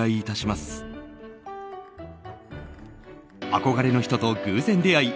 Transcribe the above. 憧れの人と偶然出会い